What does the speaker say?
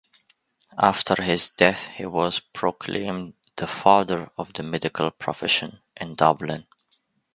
After his death he was proclaimed the "father of the medical profession in Dublin".